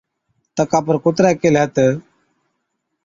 تڪا پر ڪُترَي ڪيهلَي تہ،